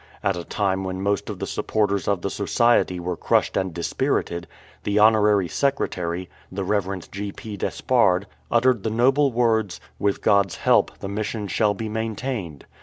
At a time when most of the supporters of the Society were crushed and dispirited, the honorary secretary, the Rev. G. P. Despard, uttered the noble words, "With God's help, the Mission shall be main tained."